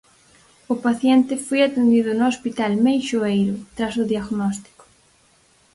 O paciente foi atendido no hospital Meixoeiro, tras o diagnóstico.